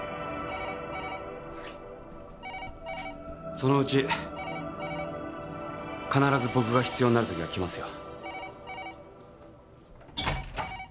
そのうち必ず僕が必要になるときがきますよ。